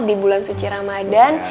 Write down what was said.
di bulan suci ramadhan